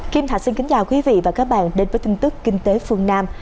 kim thạch xin kính chào quý vị và các bạn đến với tin tức kinh tế phương nam